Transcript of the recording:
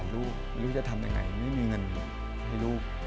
ลูกจะทำยังไงไม่มีเงินให้ลูก